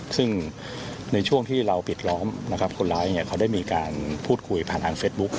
ซึ่งในช่วงที่เราปิดล้อมนะครับคนร้ายเขาได้มีการพูดคุยผ่านทางเฟซบุ๊ค